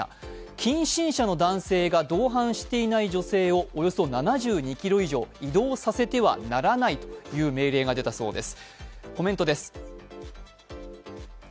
近親者の男性が同伴していない女性をおよそ７２ｋｍ以上移動させてはならないという命令が出たそうです。